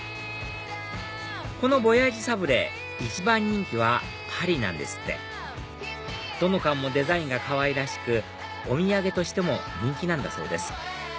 このヴォヤージュサブレ一番人気はパリなんですってどの缶もデザインがかわいらしくお土産としても人気なんだそうです